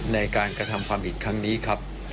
ในการกระทำความผิดครั้งนี้ครับ